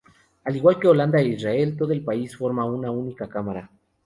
Al igual que Holanda e Israel, todo el país forma una única cámara.